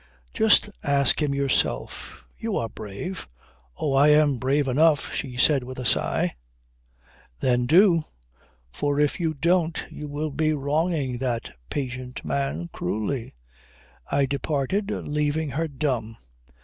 "Just ask him yourself. You are brave." "Oh, I am brave enough," she said with a sigh. "Then do. For if you don't you will be wronging that patient man cruelly." I departed leaving her dumb.